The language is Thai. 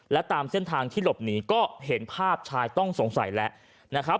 และตามเส้นทางที่หลบหนีก็เห็นภาพชายต้องสงสัยแล้วนะครับ